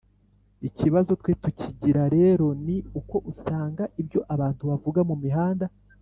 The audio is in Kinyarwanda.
ikibazo twe tugira rero ni uko usanga ibyo abantu bavuga mu mihanda